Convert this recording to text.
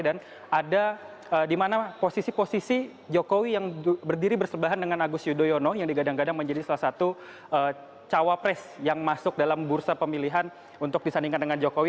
dan ada di mana posisi posisi jokowi yang berdiri bersebelahan dengan agus yudhoyono yang digadang gadang menjadi salah satu cawapres yang masuk dalam bursa pemilihan untuk disandingkan dengan jokowi